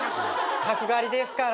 角刈りですから。